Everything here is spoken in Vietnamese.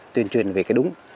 tuyên truyền về cái đúng